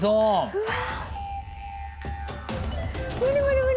うわ。